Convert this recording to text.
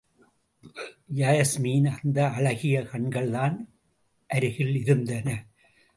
யாஸ்மியின் அந்த அழகிய கண்கள்தான் அருகில் இருந்தன.